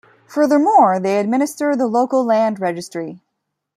Furthermore, they administer the local land registry.